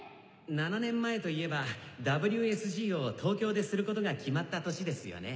７年前といえばＷＳＧを東京ですることが決まった年ですよね。